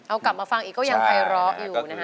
เอากลับมาฟังอีกก็ยังภัยร้ออยู่นะฮะ